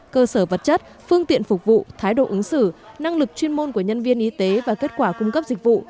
cơ sở vật chất phương tiện phục vụ thái độ ứng xử năng lực chuyên môn của nhân viên y tế và kết quả cung cấp dịch vụ